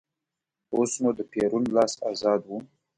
اوس نو د پېرون لاس ازاد و.